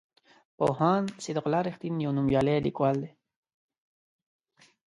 پوهاند صدیق الله رښتین یو نومیالی لیکوال دی.